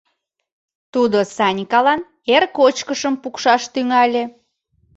— Тудо Санькалан эр кочкышым пукшаш тӱҥале.